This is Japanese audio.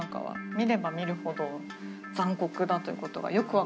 見れば見るほど残酷だということがよく分かる。